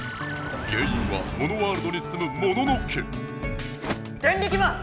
原いんはモノワールドにすむモノノ家「デンリキマン！」。